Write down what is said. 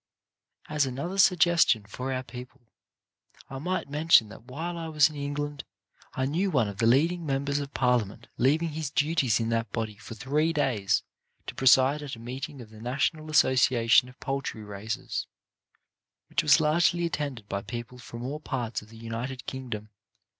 < As another suggestion for our people, I might mention that while I was in England I knew of one of the leading members of Parliament leaving his duties in that body for three days to preside at a meeting of the National Association of Poul try Raisers, which was largely attended by people from all parts of the United Kingdom.